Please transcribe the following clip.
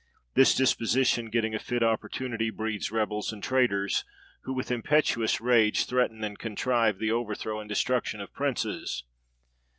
This disposition, getting a fit opportunity, breeds rebels and traitors, who, with impetuous rage, threaten and contrive the overthrow and destruction of princes.